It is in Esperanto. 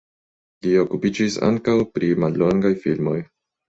Li okupiĝis ankaŭ pri mallongaj filmoj.